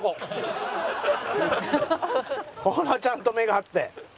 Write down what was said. ほらちゃんと目があって。